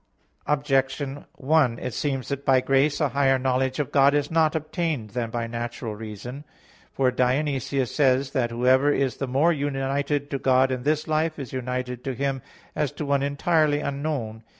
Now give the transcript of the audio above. Objection 1: It seems that by grace a higher knowledge of God is not obtained than by natural reason. For Dionysius says (De Mystica Theol. i) that whoever is the more united to God in this life, is united to Him as to one entirely unknown.